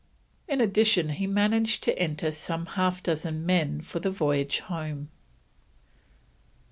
In addition he managed to enter some half dozen men for the voyage home.